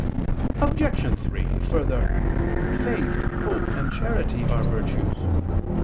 Obj. 3: Further, faith, hope, and charity are virtues.